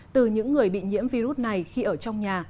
từ những người bị nhiễm virus này khi ở trong nhà